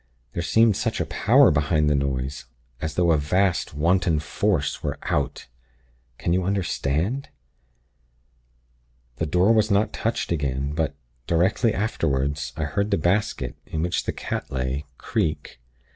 There seemed such a power behind the noise; as though a vast, wanton Force were 'out.' Can you understand? "The door was not touched again; but, directly afterward, I heard the basket, in which the cat lay, creak.